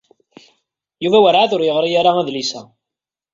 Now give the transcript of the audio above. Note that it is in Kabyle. Yuba werɛad ur yeɣri ara adlis-a.